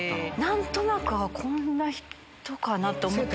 何となくこんな人かなと。